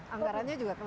anggarannya juga keluar